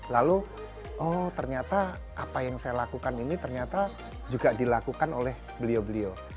lalu oh ternyata apa yang saya lakukan ini ternyata juga dilakukan oleh beliau beliau